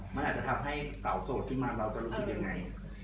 มันก็ทำให้เต่าโสดจะรู้สึกยังไง